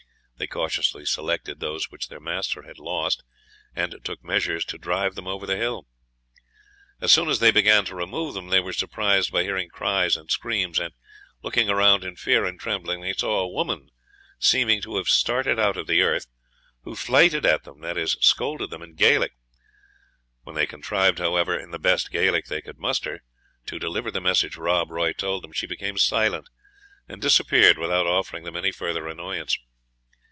They cautiously selected those which their master had lost, and took measures to drive them over the hill. As soon as they began to remove them, they were surprised by hearing cries and screams; and looking around in fear and trembling they saw a woman seeming to have started out of the earth, who flyted at them, that is, scolded them, in Gaelic. When they contrived, however, in the best Gaelic they could muster, to deliver the message Rob Roy told them, she became silent, and disappeared without offering them any further annoyance.